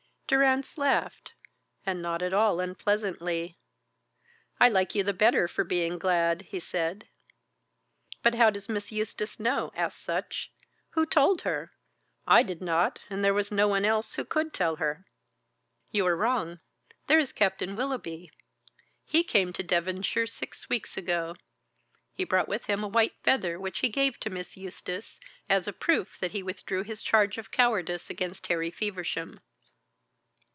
Durrance laughed, and not at all unpleasantly. "I like you the better for being glad," he said. "But how does Miss Eustace know?" asked Sutch. "Who told her? I did not, and there is no one else who could tell her." "You are wrong. There is Captain Willoughby. He came to Devonshire six weeks ago. He brought with him a white feather which he gave to Miss Eustace, as a proof that he withdrew his charge of cowardice against Harry Feversham."